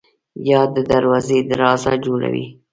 باد د دروازې درزا جوړوي